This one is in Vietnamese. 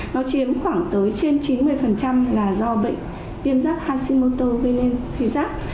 nó chiếm khoảng tới trên chín mươi là do bệnh viêm giáp hashimoto gây nên tuyến giáp